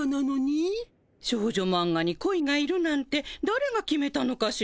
少女マンガに恋がいるなんてだれが決めたのかしら？